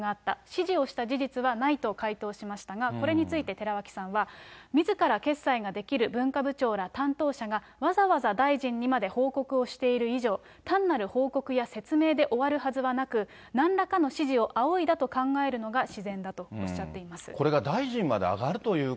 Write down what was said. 指示をした事実はないと回答しましたが、これについて、寺脇さんはみずから決裁ができる文化部長ら、担当者がわざわざ大臣にまで報告をしている以上、単なる報告や説明で終わるはずはなく、なんらかの指示を仰いだと考えるのが自然これが大臣まで上がるという